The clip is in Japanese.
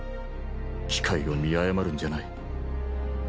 機会を見誤るんじゃない。